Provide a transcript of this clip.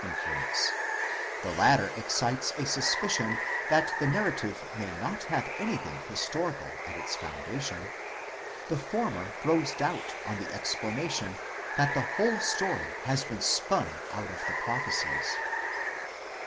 681 influence: the latter excites a suspicion that the narrative may not have anything historical at its foundation ; the former throws doubt on the ex planation that the whole story has been spun out of the prophecies.